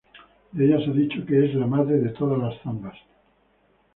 De ella se ha dicho que es "la madre de todas las zambas".